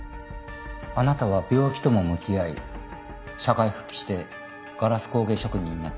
あなたは病気とも向き合い社会復帰してガラス工芸職人になった。